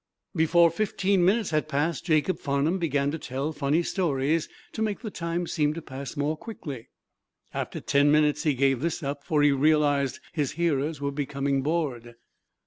Before fifteen minutes had passed Jacob Farnum began to tell funny stories to make the time seem to pass more quickly. After ten minutes he gave this up, for he realized his hearers were becoming bored.